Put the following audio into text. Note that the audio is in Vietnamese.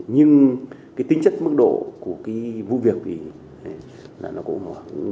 nhưng cái tính chất mức độ của cái vụ việc thì là nó cũng